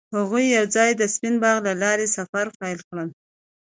هغوی یوځای د سپین باغ له لارې سفر پیل کړ.